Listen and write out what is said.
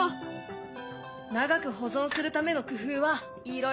長く保存するための工夫はいろいろありそうだね。